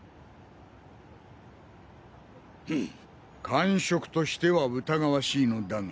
感触としては疑わしいのだが。